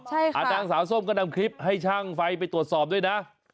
ใช่ค่ะนางสาวส้มก็นำคลิปให้ช่างไฟไปตรวจสอบด้วยนะ